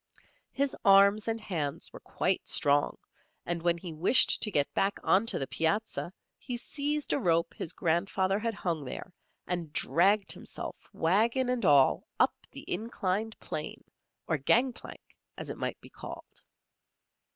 His arms and hands were quite strong, and when he wished to get back on to the piazza, he seized a rope his grandfather had hung there, and dragged himself, wagon and all, up the inclined plane, or gangplank, as it might be called.